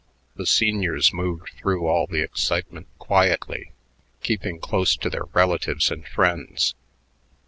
The seniors moved through all the excitement quietly, keeping close to their relatives and friends.